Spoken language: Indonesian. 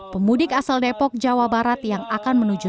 pemudik asal depok jawa barat yang akibatnya